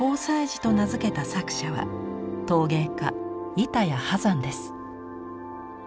磁と名付けた作者は陶芸家板谷波山です。